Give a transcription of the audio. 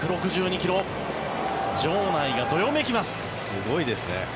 すごいですね。